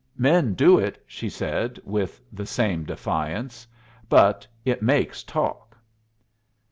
"Men do it," she said, with the same defiance. "But it makes talk."